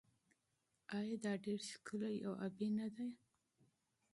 آیا دا ډیره ښکلې او ابي نه ده؟